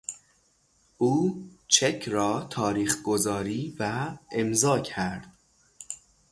او چک را تاریخگذاری و امضا کرد.